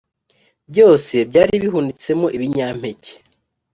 byose byari bihunitsemo ibinyampeke